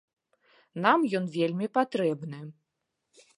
Нам ён вельмі патрэбны.